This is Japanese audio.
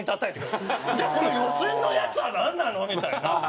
じゃあこの予選のやつはなんなの？みたいな。